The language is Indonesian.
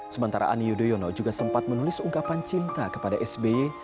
sementara ani yudhoyono juga sempat menulis ungkapan cinta kepada sby